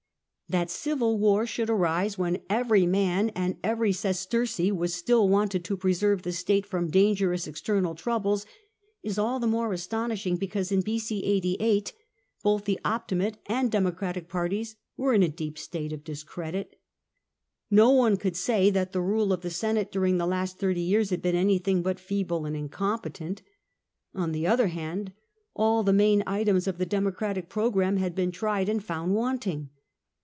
That civil war should arise, when every man and every sesterce was still wanted to preserve the state from dan gerous external troubles, is all the more astonishing because in B.c. 88 both the Optimate and the Democratic parties were in a deep state of discredit. No one could say that the rule of the Senate during the last thirty years had been anything but feeble and incompetent. On the other hand, all the main items of the Democratic pro gramme had been tried and found wanting.